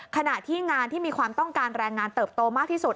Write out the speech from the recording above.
ขณะที่งานที่มีความต้องการแรงงานเติบโตมากที่สุด